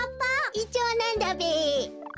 イチョウなんだべ。